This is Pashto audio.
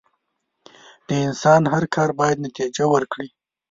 د انسان هر کار بايد نتیجه ورکړي.